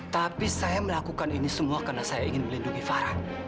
tapi saya melakukan ini semua karena saya ingin melindungi farah